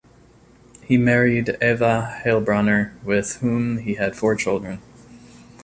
He married Eva Heilbronner with whom he had four children.